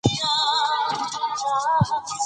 خو د ځینو مؤثقو روایتونو